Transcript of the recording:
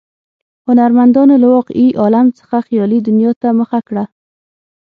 هنرمندانو له واقعي عالم څخه خیالي دنیا ته مخه کړه.